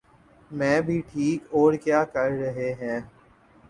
میں بھی ٹھیک۔ اور کیا کر رہے ہیں؟